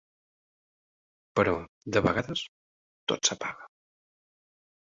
Però, de vegades, tot s'apaga.